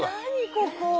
ここ。